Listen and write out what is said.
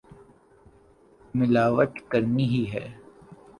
ملاوٹ کرنی ہی ہے۔